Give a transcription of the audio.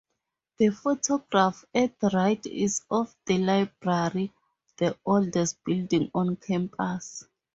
The photograph at right is of the library, the oldest building on campus.